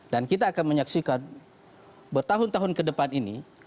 dan kita akan menyaksikan bertahun tahun ke depan ini